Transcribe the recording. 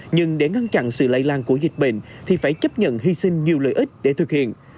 nhưng để ngăn chặn sự lây lan của dịch bệnh thì phải chấp nhận hy sinh nhiều lợi ích để thực hiện